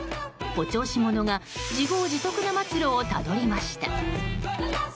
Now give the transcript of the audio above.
お調子者が自業自得な末路をたどりました。